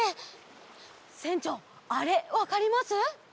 せんちょうあれわかります？